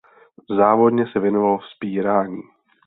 Závodně se věnoval vzpírání.